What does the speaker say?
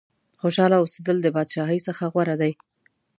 خوشاله اوسېدل د بادشاهۍ څخه غوره دي.